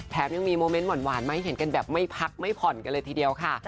ยังมีโมเมนต์หวานมาให้เห็นกันแบบไม่พักไม่ผ่อนกันเลยทีเดียวค่ะ